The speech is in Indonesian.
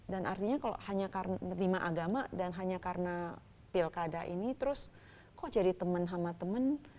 dan artinya kalau hanya karena lima agama dan hanya karena pilkada ini terus kok jadi temen sama temen